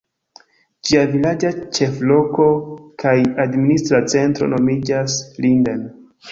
Ĝia vilaĝa ĉefloko kaj administra centro nomiĝas Linden.